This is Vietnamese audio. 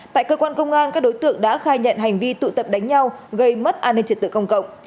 tại cơ quan công an các đối tượng đã khai nhận hành vi tụ tập đánh nhau gây mất an ninh trật tự công cộng